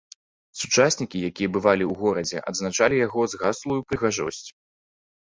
Сучаснікі, якія бывалі ў горадзе, адзначалі яго згаслую прыгажосць.